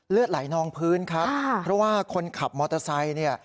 เลือดไหลนองพื้นครับเพราะว่าคนขับมอเตอร์ไซค์เนี่ย